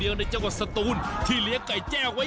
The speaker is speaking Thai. ว้าว